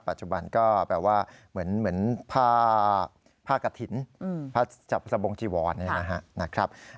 ปัจจุบันก็แปลว่าเหมือนผ้ากระถิ่นผ้าจับสะบงจีวรนะครับ